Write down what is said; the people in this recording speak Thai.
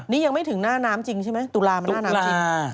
นี่ยังไม่ถึงหน้าน้ำจริงใช่ไหมตุลามันหน้าน้ำจริง